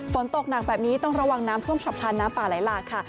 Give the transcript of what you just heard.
ฝนตกหนักแบบนี้ต้องระวังน้ำท่วมฉับพลันน้ำป่าไหลหลากค่ะ